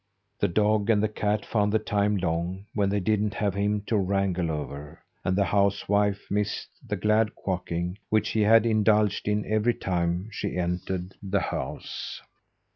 The dog and the cat found the time long, when they didn't have him to wrangle over; and the housewife missed the glad quacking which he had indulged in every time she entered the house.